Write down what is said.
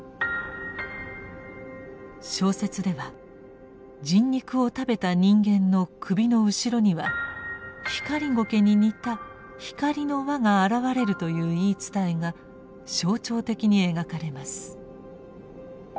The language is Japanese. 小説では「人肉を食べた人間の首の後ろにはひかりごけに似た光の輪が現れる」という言い伝えが象徴的に描かれます。